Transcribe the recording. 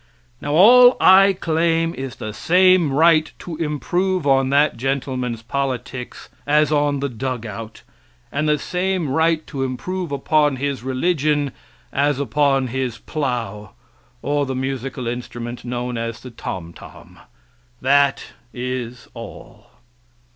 Now, all I claim is the same right to improve on that gentleman's politics, as on the dug out, and the same right to improve upon his religion as upon his plough, or the musical instrument known as the tomtom that is all.